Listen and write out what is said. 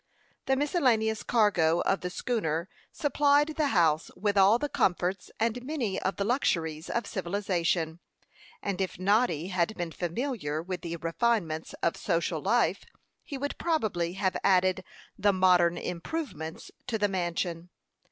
The miscellaneous cargo of the schooner supplied the house with all the comforts and many of the luxuries of civilization; and if Noddy had been familiar with the refinements of social life, he would probably have added the "modern improvements" to the mansion.